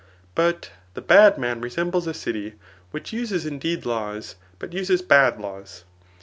But the bad man resembles a dty, which uses indeed laws, but uses bad laws.